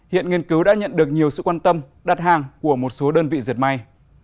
hiện nghiên cứu đã nhận được nhiều sự quan tâm đặt hàng của một số đơn vị diệt may